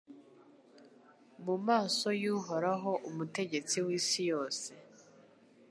mu maso y’Uhoraho Umutegetsi w’isi yose